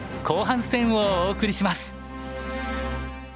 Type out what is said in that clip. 後半戦」をお送りします。